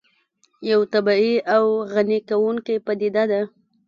یو طبیعي او غني کوونکې پدیده ده